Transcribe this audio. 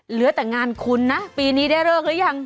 เหลือแต่งานคุณนะปีนี้ได้เลิกหรือยัง